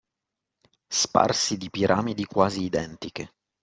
Sparsi di piramidi quasi identiche.